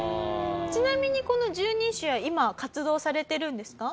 ちなみにこの十人衆は今活動されてるんですか？